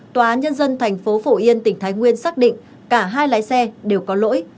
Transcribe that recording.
tòa nhân dân thành phố phổ yên tỉnh thái nguyên xác định cả hai lái xe đều có lỗi